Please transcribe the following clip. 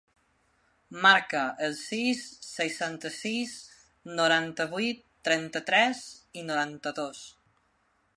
Marca el sis, seixanta-sis, noranta-vuit, trenta-tres, noranta-dos.